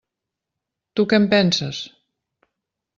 Tu què en penses?